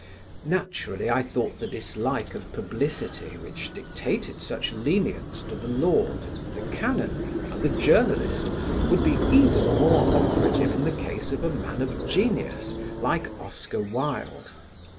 Naturally I thought the dislike of publicity which dictated such lenience to the lord and the canon and the journalist would be even more operative in the case of a man of genius like Oscar Wilde.